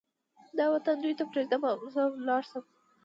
دا وطن دوی ته پرېږدم او زه ولاړ شم.